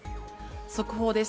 速報です。